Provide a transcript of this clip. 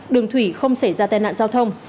đường thủy không xảy ra tai nạn giao thông